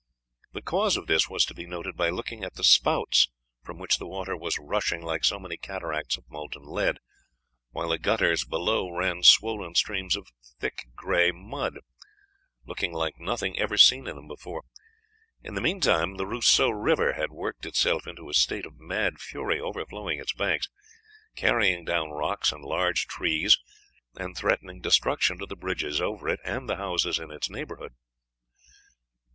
The cause of this was to be noted by looking at the spouts, from which the water was rushing like so many cataracts of molten lead, while the gutters below ran swollen streams of thick gray mud, looking like nothing ever seen in them before. In the mean time the Roseau River had worked itself into a state of mad fury, overflowing its banks, carrying down rocks and large trees, and threatening destruction to the bridges over it and the houses in its neighborhood.